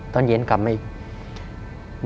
ตอนเย็นกลับมาอีก